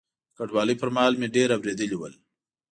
د کډوالۍ پر مهال مې ډېر اورېدلي ول.